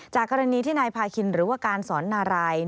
กรณีที่นายพาคินหรือว่าการสอนนาราย